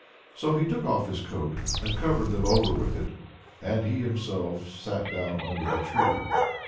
So he took off his coat and covered them over with it, and he himself sat down under the tree.